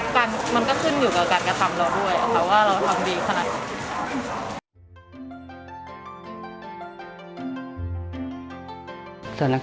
มันก็ขึ้นอยู่กับการกระต่ำเราด้วย